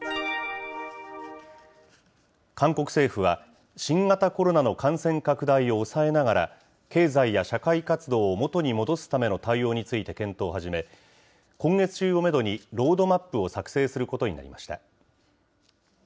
韓国政府は、新型コロナの感染拡大を抑えながら、経済や社会活動を元に戻すための対応について検討を始め、今月中をメドにロードマップを作成することになります。